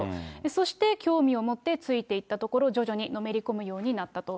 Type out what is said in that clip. そして、興味を持ってついていったところ、徐々にのめり込むようになったと。